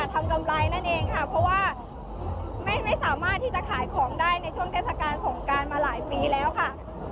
กำไรนั่นเองค่ะเพราะว่าไม่สามารถที่จะขายของได้ในช่วงเทศกาลสงการมาหลายปีแล้วค่ะ